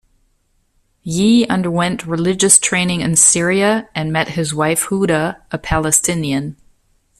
Yee underwent religious training in Syria and met his wife Huda, a Palestinian.